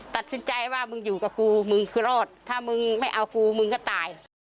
ตัดสินใจว่ามึงอยู่กับกูมึงคือรอดถ้ามึงไม่เอากูมึงก็ตาย